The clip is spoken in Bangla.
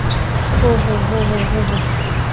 হো-হো, হো, হো, হো-হো!